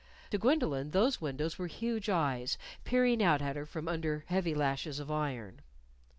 To Gwendolyn those windows were huge eyes, peering out at her from under heavy lashes of iron.